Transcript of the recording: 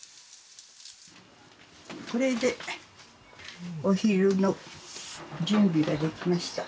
これでお昼の準備ができました。